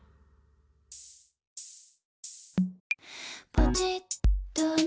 「ポチッとね」